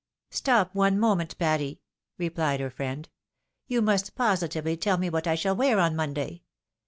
" Stop one moment, Patty !" replied her friend ;" you must positively tell me what I shall wear on Monday.